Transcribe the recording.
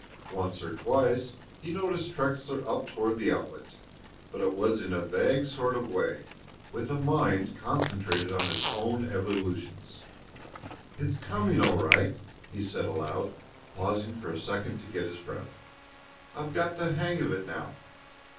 Once or twice he noticed Trexler up toward the outlet, but it was in a vague sort of way, with a mind concentrated on his own evolutions. "It's coming all right," he said aloud, pausing for a second to get his breath. "I've got the hang of it now.